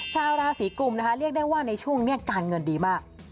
ชาวราศีกุมนะคะเรียกได้ว่าในช่วงนี้การเงินดีมาก